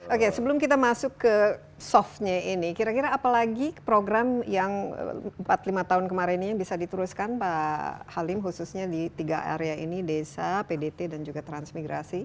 oke sebelum kita masuk ke softnya ini kira kira apalagi program yang empat lima tahun kemarin ini yang bisa diteruskan pak halim khususnya di tiga area ini desa pdt dan juga transmigrasi